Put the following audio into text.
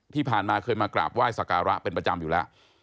ที่ผ่านมาเคยมากราบไหว้สักการะเป็นประจำอยู่แล้ว